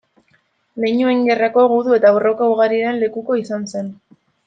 Leinuen Gerrako gudu eta borroka ugariren lekuko izan zen.